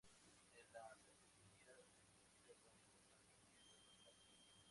En la sacristía se conservan importantes piezas de plata.